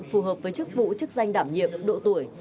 phù hợp với chức vụ chức danh đảm nhiệm độ tuổi